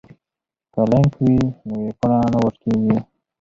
که لینک وي نو ویبپاڼه نه ورکیږي.